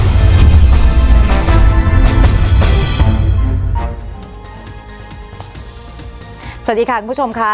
สวัสดีค่ะคุณผู้ชมค่ะ